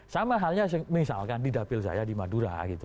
sama halnya misalkan di dapil saya di madura gitu